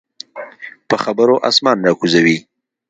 په خبرو اسمان راکوزوي.